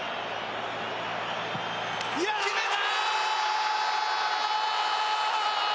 決めた！